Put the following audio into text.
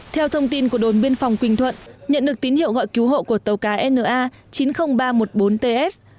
theo thông tin của đồn biên phòng quỳnh thuận nhận được tín hiệu gọi cứu hộ của tàu cá na chín mươi nghìn ba trăm một mươi bốn ts